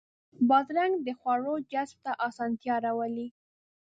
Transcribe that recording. بادرنګ د خواړو جذب ته اسانتیا راولي.